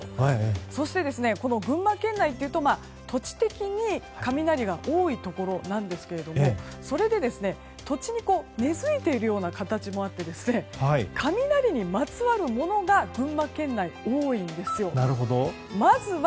そして、群馬県内というと土地的に雷が多いところなんですがそれで、土地に根付いているようなところもあり雷にまつわるものが群馬県内、多いんですよ。